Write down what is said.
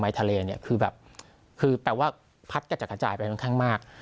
หมายทะเลเนี่ยคือแบบคือแปลว่าผัดกระจ่ะกระจ่ายไปยังแค่งมาก